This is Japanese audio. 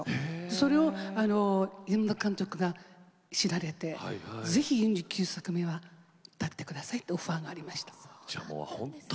それを山田監督が知られてぜひ４９作目は歌ってくださいとオファーがありました。